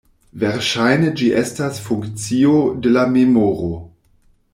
Verŝajne ĝi estas funkcio de la memoro.